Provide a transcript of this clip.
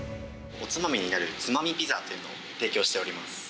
おつまみになるツマミピザというのを提供しております。